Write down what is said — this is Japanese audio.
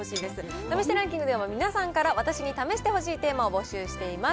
試してランキングでは、皆さんから私に試してほしいテーマを募集しています。